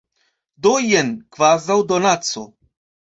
Do jen, kvazaŭ donaco.